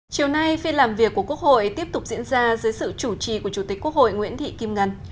chiều nay phiên làm việc của quốc hội tiếp tục diễn ra dưới sự chủ trì của chủ tịch quốc hội nguyễn thị kim ngân